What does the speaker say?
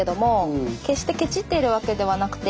決してケチってるわけではなくて。